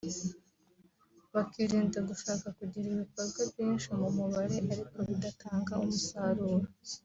bakirinda gushaka kugira ibikorwa byinshi mu mubare ariko bidatanga umusaruro